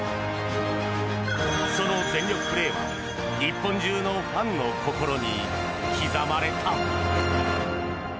その全力プレーは日本中のファンの心に刻まれた。